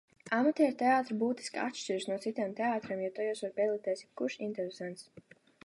Amatierteātri būtiski atšķiras no citiem teātriem, jo tajos var piedalīties jebkurš interesents.